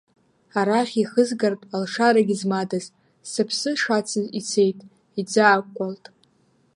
Арахь иахызгартә алшарагьы змадаз, сыԥсы шацыз ицеит, иӡаакәкәалт.